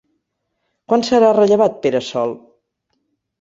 Quan serà rellevat Pere Sol?